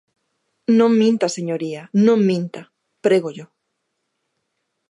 Non minta, señoría, non minta, prégollo.